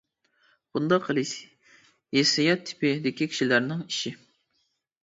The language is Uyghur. بۇنداق قىلىش «ھېسسىيات تىپى» دىكى كىشىلەرنىڭ ئىشى.